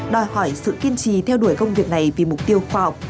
đòi hỏi sự kiên trì theo đuổi công việc này vì mục tiêu khoa học